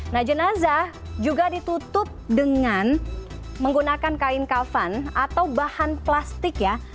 nah jenazah juga ditutup dengan menggunakan kain kafan atau bahan plastik ya